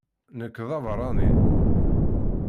Nekk d abeṛṛani.